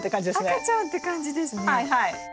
赤ちゃんって感じですね。